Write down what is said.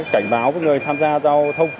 cảnh báo các người tham gia giao thông